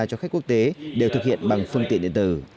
cho khách quốc tế đều thực hiện bằng phương tiện điện tử